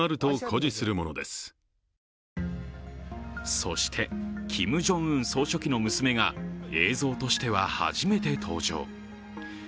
そして、キム・ジョンウン総書記の娘が映像としては初めて登場。